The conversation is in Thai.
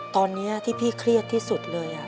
ตอนนี้ที่พี่เครียดที่สุดเลย